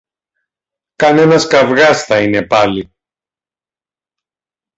Κανένας καβγάς θα είναι πάλι